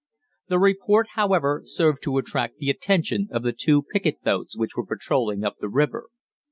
"The report, however, served to attract the attention of the two picket boats which were patrolling up the river.